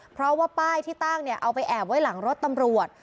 เพราะว่าป้ายที่ตั้งเนี่ยเอาไปแอบไว้หลังรถตำรวจ